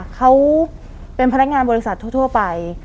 เขาเป็นพนักงานบริษัททั่วไป